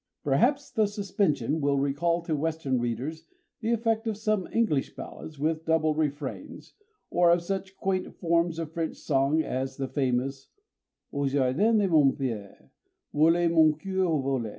Perhaps the suspension will recall to Western readers the effect of some English ballads with double refrains, or of such quaint forms of French song as the famous Au jardin de mon père _Vole, mon coeur, vole!